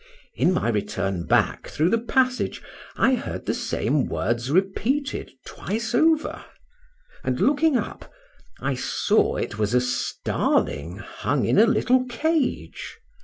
In my return back through the passage, I heard the same words repeated twice over; and, looking up, I saw it was a starling hung in a little cage.